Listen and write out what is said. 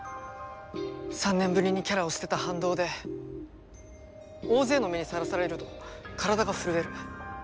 ３年ぶりにキャラを捨てた反動で大勢の目にさらされると体が震える。